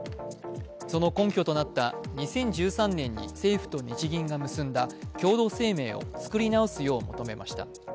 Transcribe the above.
その根拠となった２０１３年に政府と日銀が結んだ共同声明を作り直すよう求めました。